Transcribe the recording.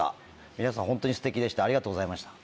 皆さんホントにステキでしたありがとうございました。